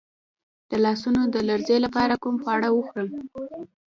د لاسونو د لرزې لپاره کوم خواړه وخورم؟